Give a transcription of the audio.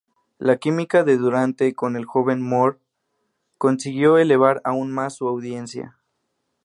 La química de Durante con el joven Moore consiguió elevar aún más su audiencia.